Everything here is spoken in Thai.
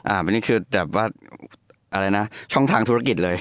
อันนี้คือช่องทางธุรกิจเลย